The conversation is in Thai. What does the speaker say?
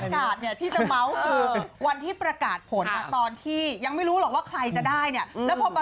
แต่คนที่กระโดดแบบบินใจสะใจสุดชีวิตเลยคือโธนนี่